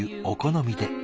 お好みで。